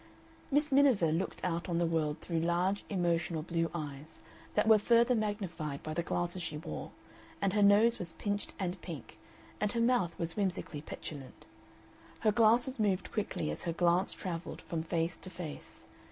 Miss Miniver looked out on the world through large emotional blue eyes that were further magnified by the glasses she wore, and her nose was pinched and pink, and her mouth was whimsically petulant. Her glasses moved quickly as her glance travelled from face to face.